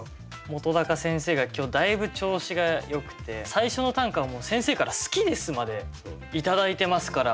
本先生が今日だいぶ調子がよくて最初の短歌はもう先生から「好きです」まで頂いてますから。